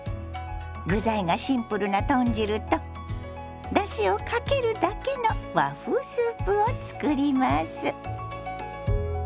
具材がシンプルな豚汁とだしをかけるだけの和風スープを作ります。